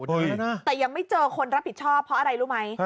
แต่ยังไม่เจอคนรับผิดชอบเพราะอะไรรู้ไหม